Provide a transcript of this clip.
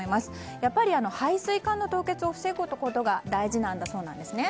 やっぱり配水管の凍結を防ぐことが大事なんだそうです。